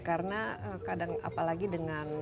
karena kadang apalagi dengan